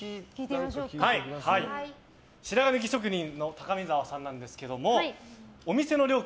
白髪抜き職人の高見澤さんなんですがお店の料金